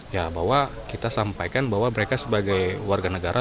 ya bahwa kita sampaikan bahwa mereka sebagai warga negara